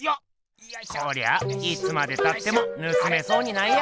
こりゃあいつまでたっても盗めそうにないや。